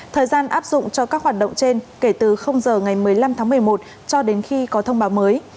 thời gian áp dụng cho các hoạt động trên kể từ giờ ngày một mươi năm tháng một mươi một cho đến khi có thông báo mới